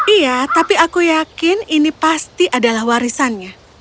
iya tapi aku yakin ini pasti adalah warisannya